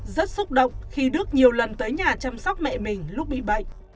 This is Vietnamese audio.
rất xúc động khi đức nhiều lần tới nhà chăm sóc mẹ mình lúc bị bệnh